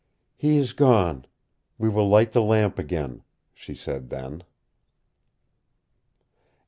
"He is gone. We will light the lamp again," she said then.